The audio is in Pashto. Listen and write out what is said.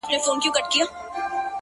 راسه چي زړه ښه درته خالي كـړمـه ـ